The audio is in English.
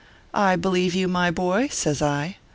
" I believe you, my boy !" says I.